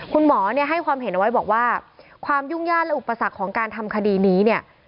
คุณหมอให้ความเห็นเอาไว้ว่าความยุ่งญาดและอุปสรรคของการทำคดีนี้